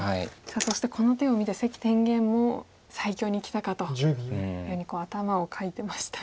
そしてこの手を見て関天元も最強にきたかというふうに頭をかいてましたが。